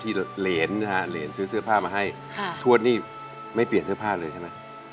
เหรนนะฮะเหรนซื้อเสื้อผ้ามาให้ทวดนี่ไม่เปลี่ยนเสื้อผ้าเลยใช่ไหม